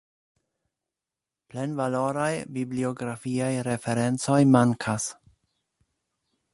Plenvaloraj bibliografiaj referencoj mankas.